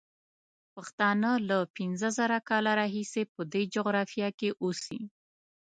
پښتانه له پینځه زره کاله راهیسې په دې جغرافیه کې اوسي.